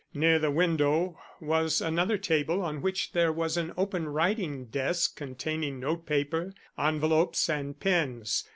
Near the window was another table, on which there was an open writing desk containing notepaper, envelopes and pens.